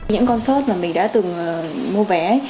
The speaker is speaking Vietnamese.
những concert mà mình đã từng mua vé